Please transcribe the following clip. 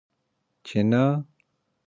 چې نه!